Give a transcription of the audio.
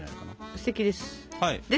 すてきです。